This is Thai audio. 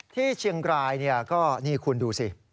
ที่เชียงรายก็นี่คุณดูสิ